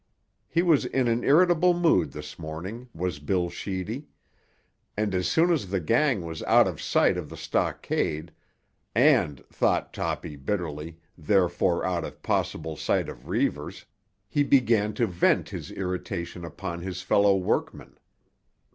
He was in an irritable mood this morning, was Bill Sheedy; and as soon as the gang was out of sight of the stockade—and, thought Toppy bitterly, therefore out of possible sight of Reivers—he began to vent his irritation upon his fellow workmen.